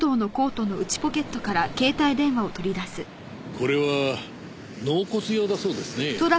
これは納骨用だそうですね。